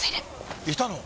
いたの？